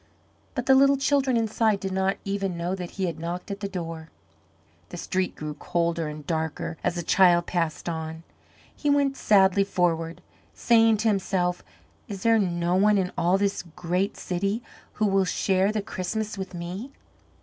But the little children inside did not even know that he had knocked at the door. The street grew colder and darker as the child passed on. He went sadly forward, saying to himself, "Is there no one in all this great city who will share the Christmas with me?"